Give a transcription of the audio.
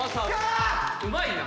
うまいな。